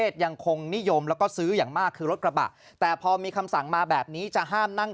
ซื้ออย่างมากคือรถกระบะแต่พอยังมีคำสั่งมาแบบนี้จะห้ามนั่ง